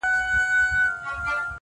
چي ما له مانه ورک کړي داسې عجيبه کارونه_